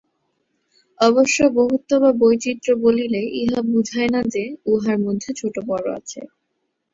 অবশ্য বহুত্ব বা বৈচিত্র্য বলিলে ইহা বুঝায় না যে, উহার মধ্যে ছোট-বড় আছে।